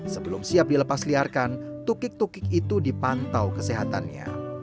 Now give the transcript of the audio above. sebelum siap dilepasliarkan tukik tukik itu dipantau kesehatannya